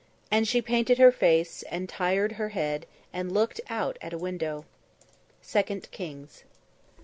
... and she painted her face, and tired her head, and looked out at a window_." II KINGS.